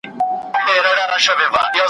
څوک چي په غم کي د نورو نه وي `